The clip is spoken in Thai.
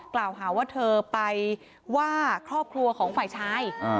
กล่าวหาว่าเธอไปว่าครอบครัวของฝ่ายชาย